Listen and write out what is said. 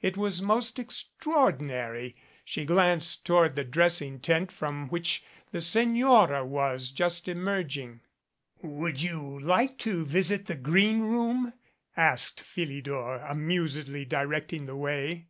It was most extraordinary. She glanced toward the dressing tent from which the Signora was just emerging. "Would you like to visit the green room?" asked Phili dor, amusedly directing the way.